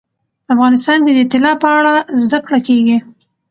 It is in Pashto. افغانستان کې د طلا په اړه زده کړه کېږي.